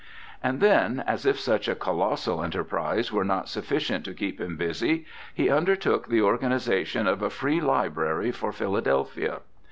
And then, as if such a colossal enterprise were not sufficient to keep him busy, he undertook the organiza tion of a Free Library for Philadelphia.